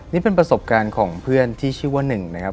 นี่เป็นประสบการณ์ของเพื่อนที่ชื่อว่าหนึ่งนะครับ